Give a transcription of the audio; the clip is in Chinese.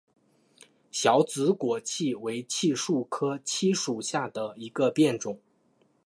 小紫果槭为槭树科槭属下的一个变种。